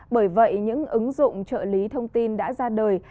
bởi vậy những ứng dụng trợ lý thông tin đã ra đời